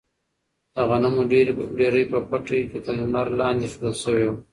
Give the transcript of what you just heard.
د غنمو ډیرۍ په پټي کې تر لمر لاندې ایښودل شوې وه.